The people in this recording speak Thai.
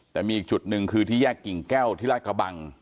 แต่มีอีกจุดหนึ่งคือที่แยกกิ่งแก้วที่ราชกระบัง